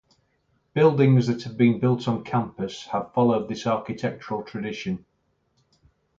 Buildings that have been built on campus have followed this architectural tradition.